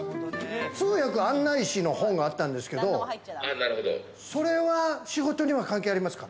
通訳案内士の本があったんですけど、それは仕事には関係ありますか？